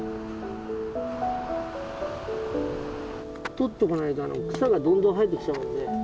取っとかないと草がどんどん生えてきちゃうんで。